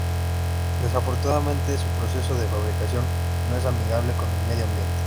Desafortunadamente, su proceso de fabricación no es amigable con el medio ambiente.